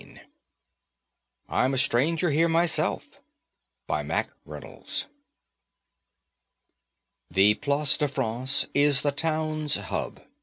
Oh,_ I'm A Stranger Here Myself By MACK REYNOLDS The Place de France is the town's hub.